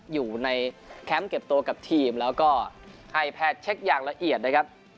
อยู่ในแคมป์เก็บตัวกับทีมแล้วก็ให้แพทย์เช็คอย่างละเอียดนะครับ